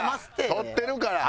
撮ってるから。